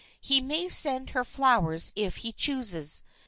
He may send her flowers if he chooses.